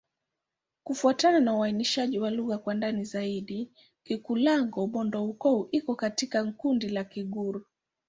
Kufuatana na uainishaji wa lugha kwa ndani zaidi, Kikulango-Bondoukou iko katika kundi la Kigur.